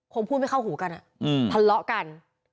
คงพูดไม่เข้าหูกันทะเลาะกัน